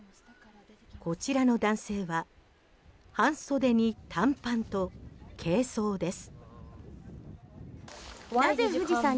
こちらの男性は半袖に短パンと軽装です。